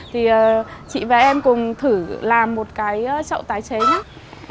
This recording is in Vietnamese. thì chị và em cùng thử làm một cái trậu tái chế nhé